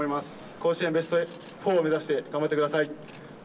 甲子園ベスト４を目指して頑張ってください。